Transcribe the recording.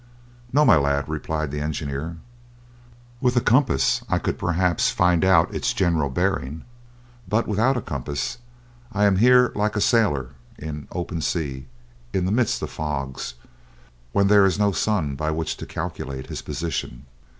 "No, my lad," replied the engineer; "with a compass I could perhaps find out its general bearing; but without a compass I am here like a sailor in open sea, in the midst of fogs, when there is no sun by which to calculate his position."